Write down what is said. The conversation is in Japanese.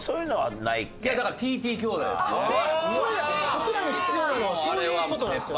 僕らに必要なのはそういう事なんですよ。